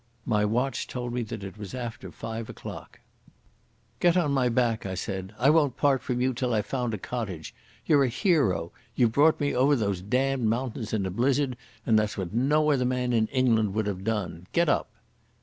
My watch told me that it was after five o'clock. "Get on my back," I said. "I won't part from you till I've found a cottage. You're a hero. You've brought me over those damned mountains in a blizzard, and that's what no other man in England would have done. Get up."